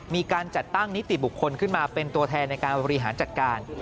มีการจัดตั้งนิติบุคคลขึ้นมาเป็นตัวแทนในการบริหารจัดการ